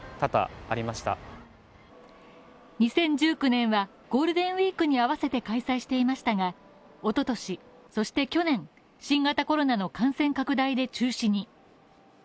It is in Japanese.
２０１９年は、ゴールデンウィークに合わせて開催していましたが、一昨年、そして去年、新型コロナの感染拡大で中止に。